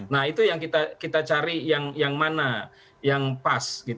nah itu yang kita cari yang mana yang pas